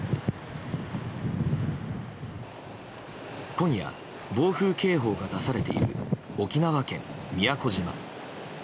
今夜、暴風警報が出されている沖縄県宮古島。